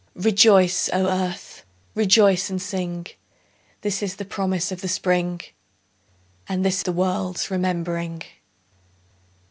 Rejoice, O Earth! Rejoice and sing! This is the promise of the Spring, And this the world's remembering.